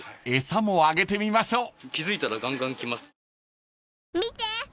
［餌もあげてみましょう］